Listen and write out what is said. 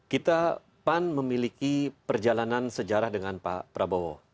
kita pan memiliki perjalanan sejarah dengan pak prabowo